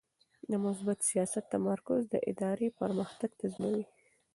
د مثبت سیاست تمرکز د ادارې پرمختګ تضمینوي.